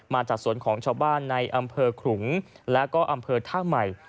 มาจากสวนของชาวบ้านในอำเภอขลุงและก็อำเภอท่าใหม่